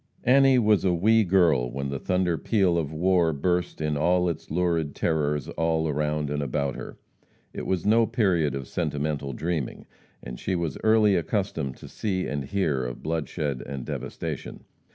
Annie was a "wee girl" when the thunder peal of war burst in all its lurid terrors all around and about her. It was no period of sentimental dreaming, and she was early accustomed to see and hear of bloodshed and devastation.